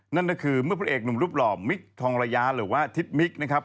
นั่นก็คือเมื่อพระเอกหนุ่มรูปหล่อมิคทองระยะหรือว่าทิศมิกนะครับ